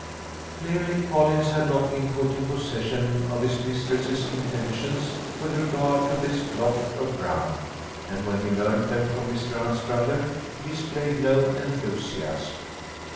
Clearly Collins had not been put in possession of his mistress's intentions with regard to this plot of ground: and when he learnt them from Mr Anstruther he displayed no enthusiasm.